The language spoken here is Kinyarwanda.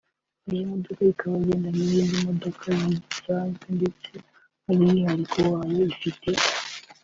iyi modoka ikaba igenda nk’izindi modoka zisanzwe ndetse umwihariko wayo ifite